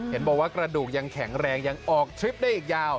เห็นบอกว่ากระดูกยังแข็งแรงยังออกทริปได้อีกยาว